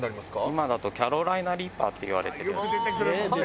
今だとキャロライナ・リーパーっていわれてる。